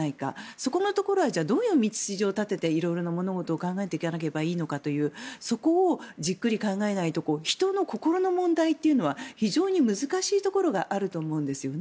そこのところはどういう道筋を立てて物事を考えていかないといけないのかというそこをじっくり考えないと人の心の問題というのは非常に難しいところがあると思うんですよね。